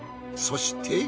そして。